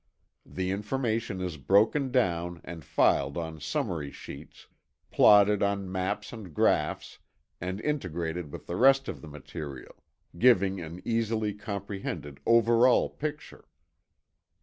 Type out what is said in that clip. The information is broken down and filed on summary sheets, plotted on maps and graphs and integrated with the rest of the material, giving an easily comprehended over all picture.